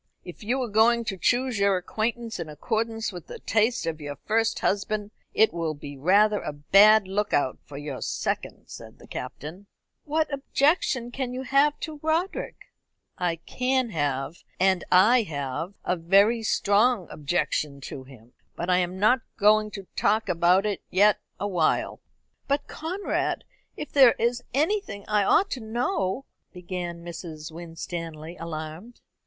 "If you are going to choose your acquaintance in accordance with the taste of your first husband, it will be rather a bad look out for your second," said the Captain. "What objection can you have to Roderick?" "I can have, and I have, a very strong objection to him. But I am not going to talk about it yet awhile." "But, Conrad, if there is anything I ought to know " began Mrs. Winstanley, alarmed.